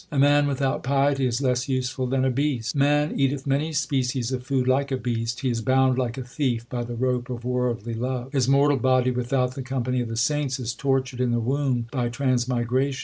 A man without piety is less useful than a beast : Man eateth many species of food like a beast ; He is bound like a thief by the rope of worldly love ; His mortal body without the company of the saints Is tortured in the womb by transmigration.